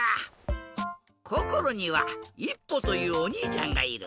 こころにはいっぽというおにいちゃんがいる。